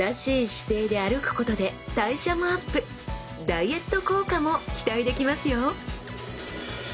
ダイエット効果も期待できますよ